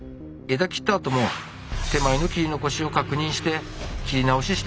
枝切ったあとも手前の切り残しを確認して切り直ししてたから。